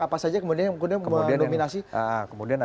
apa saja kemudian yang kemudian mendominasi positifnya